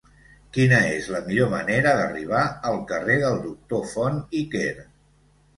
Quina és la millor manera d'arribar al carrer del Doctor Font i Quer?